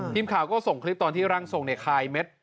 พีมข่าวก็ส่งคลิปตอนที่รั่งฏงในคลลิปเม็ด